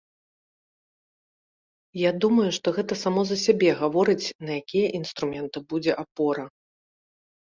Я думаю, што гэта само за сябе гаворыць, на якія інструменты будзе апора.